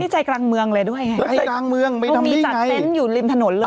นี่ใจกลางเมืองเลยด้วยในใจกลางเมืองไม่ทำที่ไงต้องมีจัดเต้นอยู่ริมถนนเลย